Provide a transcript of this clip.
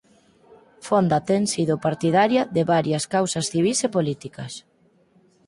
Fonda ten sido partidaria de varias causas civís e políticas.